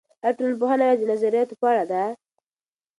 ایا ټولنپوهنه یوازې د نظریاتو په اړه ده؟